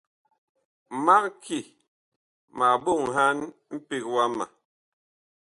Mag ki ma ɓoŋhan mpeg wama.